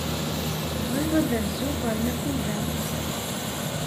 Bɣiɣ ad rzuɣ ɣer Makuda.